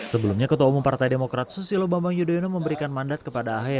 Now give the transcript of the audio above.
sebelumnya ketua umum partai demokrat sby memberikan mandat kepada ahy